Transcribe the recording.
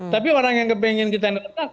tapi orang yang pengen kita retak